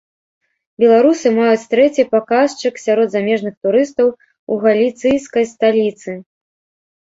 Беларусы маюць трэці паказчык сярод замежных турыстаў у галіцыйскай сталіцы.